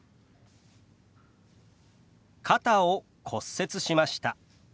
「肩を骨折しました」。